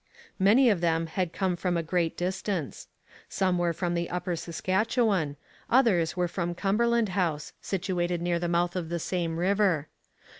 Many of them had come from a great distance. Some were from the upper Saskatchewan; others were from Cumberland House, situated near the mouth of the same river.